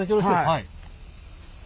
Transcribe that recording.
はい。